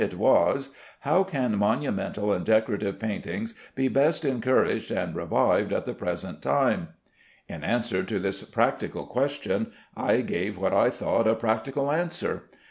It was; "How can monumental and decorative painting be best encouraged and revived at the present time?" In answer to this practical question I gave what I thought a practical answer.